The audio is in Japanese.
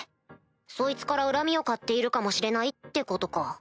そいつから恨みを買っているかもしれないってことか。